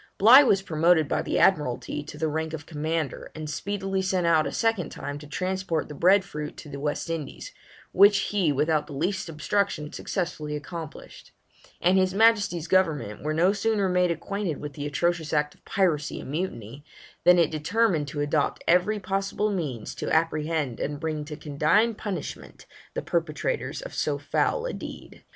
Bligh was promoted by the Admiralty to the rank of Commander, and speedily sent out a second time to transport the bread fruit to the West Indies, which he without the least obstruction successfully accomplished; and his Majesty's government were no sooner made acquainted with the atrocious act of piracy and mutiny, than it determined to adopt every possible means to apprehend and bring to condign punishment the perpetrators of so foul a deed.